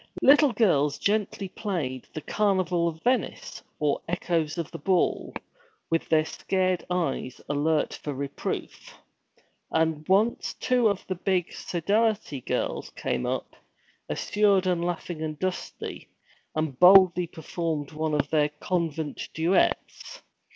Little girls gently played 'The Carnival of Venice' or 'Echoes of the Ball,' with their scared eyes alert for reproof. And once two of the 'big' Sodality girls came up, assured and laughing and dusty, and boldly performed one of their convent duets.